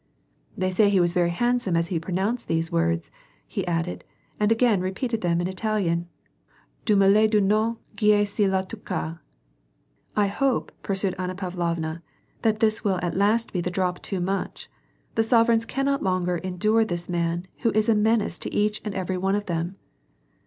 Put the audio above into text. " They say he was very handsome as he pronounced these wordfi," he added, and again repeated them in Italian :—" Dio mi la dona^ gual a chi la tocaJ' " I hope," pursued Anna Pavlovna, " that this will at last be the drop too much. The sovereigns caimot longer endure this man who is a menace to each and every one of them."